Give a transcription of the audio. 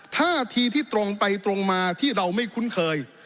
ท่าทีที่ตรงไปตรงมาที่เราไม่คุ้นเคย